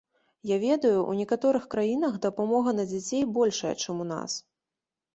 Я ведаю, ў некаторых краінах дапамога на дзяцей большая, чым ў нас.